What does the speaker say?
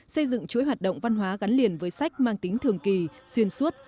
xây dựng chuỗi hoạt động văn hóa gắn liền với sách mang tính thường kỳ xuyên suốt